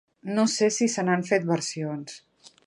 No sé si n'han fet versions.